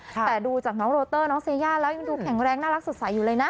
แต่ดูจากน้องโรเตอร์น้องเซย่าแล้วยังดูแข็งแรงน่ารักสดใสอยู่เลยนะ